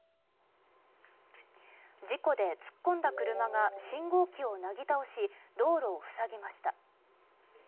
事故で突っ込んだ車が信号機をなぎ倒し道路を塞ぎました。